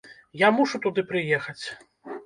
Я мушу туды прыехаць!